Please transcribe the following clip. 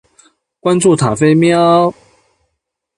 关注永雏塔菲喵